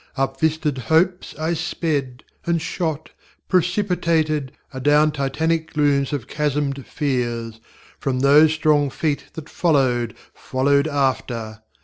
Up vistaed hopes I sped; And shot, precipitated, Adown Titanic glooms of chasm├©d fears, From those strong Feet that followed, followed after.